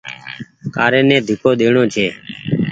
ڪآري ني ڍيڪو ڏيڻو ڇي۔